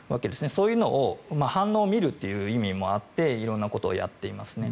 そういうのを反応を見るという意味もあって色んなことをやっていますね。